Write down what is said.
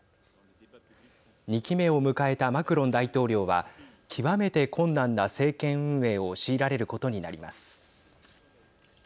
２期目を迎えたマクロン大統領は極めて困難な政権運営を強いられることになります。